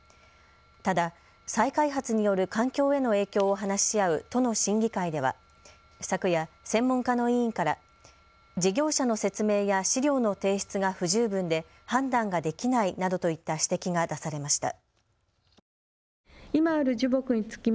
ただ再開発による環境への影響を話し合う都の審議会では昨夜、専門家の委員から事業者の説明や資料の提出が不十分で判断ができないなどといった指摘が出されました。